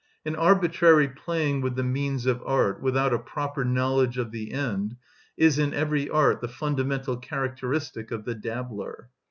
An arbitrary playing with the means of art without a proper knowledge of the end is, in every art, the fundamental characteristic of the dabbler.